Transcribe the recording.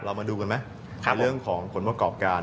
มาดูกันไหมในเรื่องของผลประกอบการ